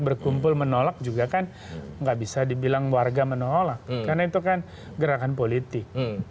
berkumpul menolak juga kan nggak bisa dibilang warga menolak karena itu kan gerakan politik